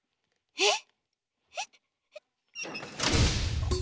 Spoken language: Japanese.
えっ！？